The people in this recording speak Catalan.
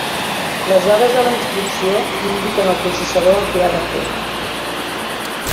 Les dades de la instrucció indiquen al processador el que ha de fer.